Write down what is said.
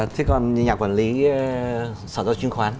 thế còn nhà quản lý sở do chứng khoán